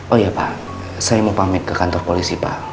oh iya pak saya mau pamit ke kantor polisi pak